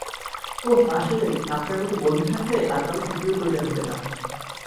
ওহ আসলেই, আপনার মতো বন্ধু থাকলে আর কারো শত্রুর প্রয়োজন হবেনা।